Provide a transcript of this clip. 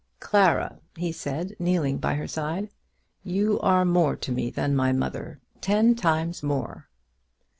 "Clara," he said, kneeling by her side, "you are more to me than my mother; ten times more!"